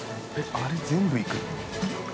あれ全部いくの？